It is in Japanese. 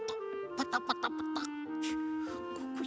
パタパタパタ。